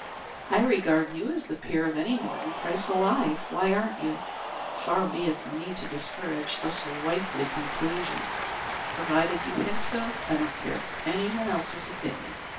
"I regard you as the peer of any Morton Price alive. Why aren't you?" "Far be it from me to discourage such a wifely conclusion. Provided you think so, I don't care for any one else's opinion."